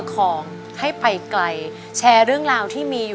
ขอบคุณครับ